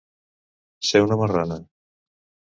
Ser una marrana.